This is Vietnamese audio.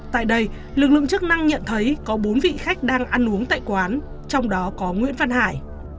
tại đây lực lượng chức năng nhận thấy có bốn vị khách đang ăn uống tại quán trong đó có nguyễn văn hải